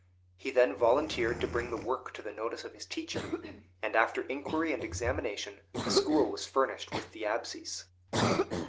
He then volunteered to bring the work to the notice of his teacher; and after inquiry and examination the school was furnished with the "Absies."